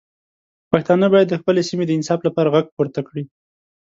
پښتانه باید د خپلې سیمې د انصاف لپاره غږ پورته کړي.